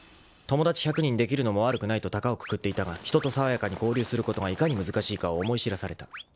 ［友達１００人できるのも悪くないと高をくくっていたが人とさわやかに交流することがいかに難しいかを思い知らされた］